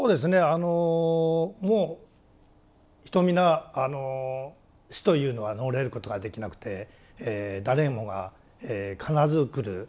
あのもう人皆死というのは逃れることができなくて誰もが必ず来る。